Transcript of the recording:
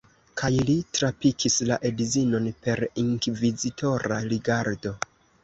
Kaj li trapikis la edzinon per inkvizitora rigardo.